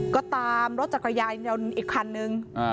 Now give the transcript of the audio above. ก็ตามรถจักรยานยนต์อีกคันนึง